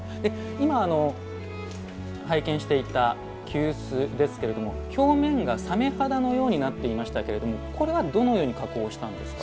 今拝見していた急須ですけれども表面がさめ肌のようになっていましたけれどもこれはどのように加工したんですか？